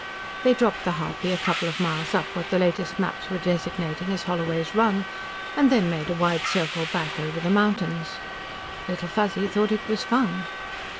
They dropped the harpy a couple of miles up what the latest maps were designating as Holloway's Run, and then made a wide circle back over the mountains. Little Fuzzy thought it was fun.